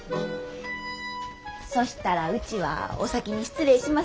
そしたらウチはお先に失礼しますよってに。